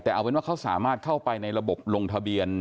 แต่เอาเป็นว่าเขาสามารถเข้าไปในระบบลงทะเบียน